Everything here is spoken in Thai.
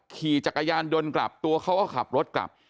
ขี่จักรยานยนต์กลับตัวเขาก็ขับรถกลับ